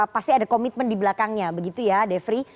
pasti ada komitmen di belakangnya begitu ya defri